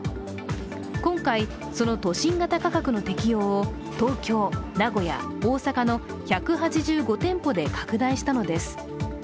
今回、その都心型価格の適用を東京、名古屋、大阪の１８５店舗で拡大したのです。